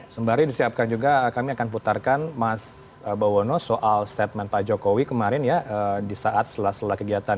sembari disiapkan juga kami akan putarkan mas bawono soal statement pak jokowi kemarin ya di saat setelah setelah kegiatan